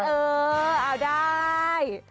เออเอาได้